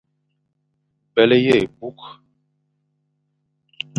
Byelé abukh.